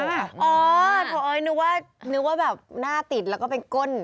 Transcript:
อ๋อเพราะอุ๊ยนึกว่าแบบหน้าติดแล้วก็เป็นก้น